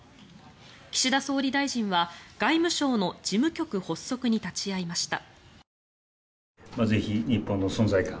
岸田総理大臣は外務省の事務局発足に立ち会いました。